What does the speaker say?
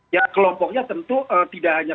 ya kelompoknya tentu tidak hanya